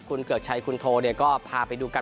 คุณเกือกชัยคุณโทเนี่ยก็พาไปดูกัน